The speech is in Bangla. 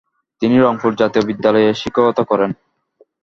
তিনি রংপুর জাতীয় বিদ্যালয়ে শিক্ষকতা করেন।